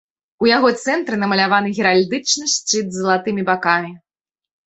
У яго цэнтры намаляваны геральдычны шчыт з залатымі бакамі.